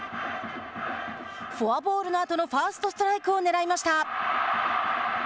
フォアボールの後のファーストストライクをねらいました。